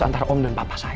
antara om dan papa saya